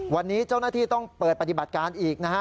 วันนี้เจ้าหน้าที่ต้องเปิดปฏิบัติการอีกนะฮะ